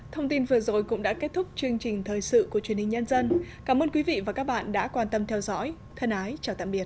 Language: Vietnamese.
thông tin vừa rồi cũng đã kết thúc chương trình thời sự của truyền hình nhân dân cảm ơn quý vị và các bạn đã quan tâm theo dõi thân ái chào tạm biệt